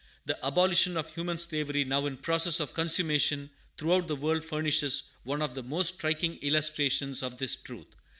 The abolition of human slavery now in process of consummation throughout the world furnishes one of the most striking illustrations of this truth.